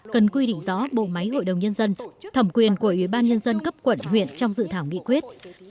cần quy định rõ bộ máy hội đồng nhân dân thẩm quyền của ubnd cấp quẩn huyện trong dự thảo nghị quyết